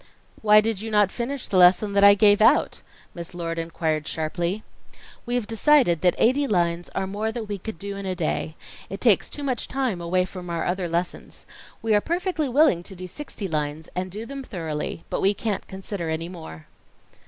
"Why did you not finish the lesson that I gave out?" Miss Lord inquired sharply. "We have decided that eighty lines are more than we can do in a day. It takes too much time away from our other lessons. We are perfectly willing to do sixty lines, and do them thoroughly, but we can't consider any more."